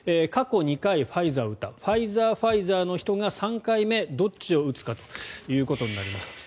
過去２回、ファイザーを打ったファイザー、ファイザーの人が３回目どっちを打つかということになります。